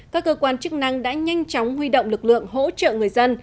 các cơ quan chức năng đã nhanh chóng huy động lực lượng hỗ trợ người dân